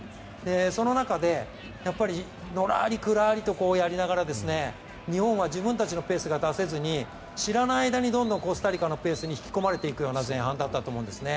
その中でのらりくらりとやりながら日本は自分たちのペースが出せずに知らない間にどんどんコスタリカのペースに引き込まれていくような前半だったと思うんですね。